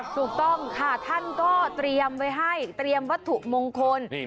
ถูกต้องค่ะท่านก็เตรียมไว้ให้เตรียมวัตถุมงคล